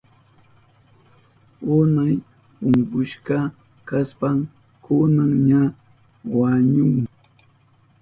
Unay unkushka kashpan kunan ña wañuhun